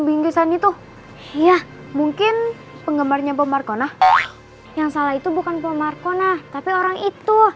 bingkisan itu iya mungkin penggemarnya pomarkona yang salah itu bukan pomarkona tapi orang itu